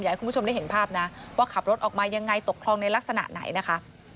ให้คุณผู้ชมได้เห็นภาพนะว่าขับรถออกมายังไงตกคลองในลักษณะไหนนะคะ